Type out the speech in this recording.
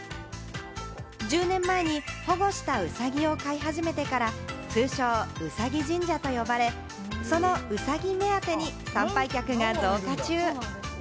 １０年前に保護した、うさぎを飼い始めてから通称・うさぎ神社と呼ばれ、そのウサギ目当てに参拝客が増加中。